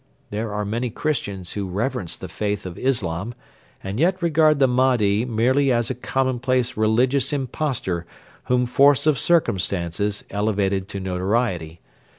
There are many Christians who reverence the faith of Islam and yet regard the Mahdi merely as a commonplace religious impostor whom force of circumstances elevated to notoriety.